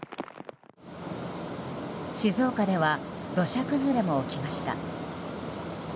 静岡では土砂崩れも起きました。